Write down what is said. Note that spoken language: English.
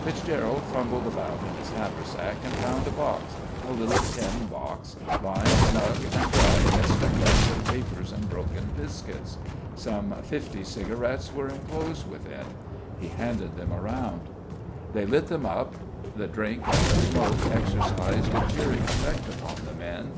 Fitzgerald fumbled about in his haversack and found a box, a little tin box, lying snug and dry amidst a crush of papers and broken biscuits. Some fifty cigarettes were enclosed within. He handed them round. They lit them up. The drink and the smoke exercised a cheering effect upon the men.